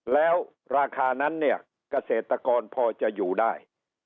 แล้วราคานั้นเนี่ยเกษตรกรพอจะอยู่ได้